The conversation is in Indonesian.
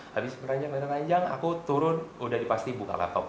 habis beranjang aku turun udah dipasti buka laptop